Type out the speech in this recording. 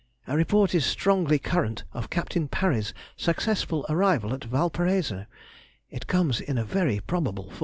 A report is strongly current of Captain Parry's successful arrival at Valparaiso; it comes in a very probable form.